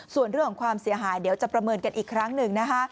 ส่วนเรื่องของความเสียหายเดี๋ยวจะประเมินกันอีกครั้งหนึ่งนะคะ